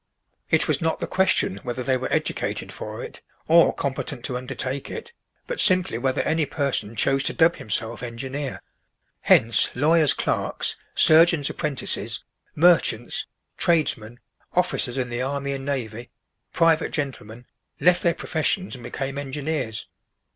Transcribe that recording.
It was not the question whether they were educated for it, or competent to undertake it, but simply whether any person chose to dub himself engineer; hence lawyers' clerks, surgeons' apprentices, merchants, tradesmen, officers in the army and navy, private gentlemen, left their professions and became engineers.